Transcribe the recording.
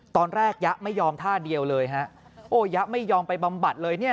ตอนแรกยะไม่ยอมท่าเดียวเลยฮะโอ้ยะไม่ยอมไปบำบัดเลย